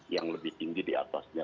yang lebih tinggi diatasnya